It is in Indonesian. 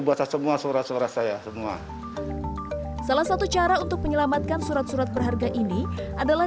buatan semua surat suara saya semua salah satu cara untuk menyelamatkan surat surat berharga ini adalah